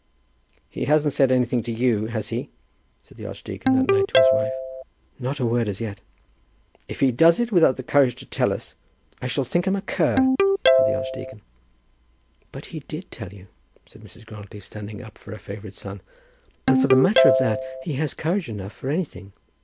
"He hasn't said anything to you, has he?" said the archdeacon that night to his wife. "Not a word; as yet." "If he does it without the courage to tell us, I shall think him a cur," said the archdeacon. "But he did tell you," said Mrs. Grantly, standing up for her favourite son; "and, for the matter of that, he has courage enough for anything.